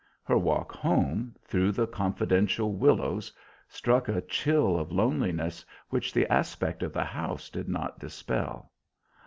Her walk home, through the confidential willows, struck a chill of loneliness which the aspect of the house did not dispel.